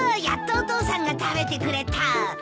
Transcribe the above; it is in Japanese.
やっとお父さんが食べてくれた。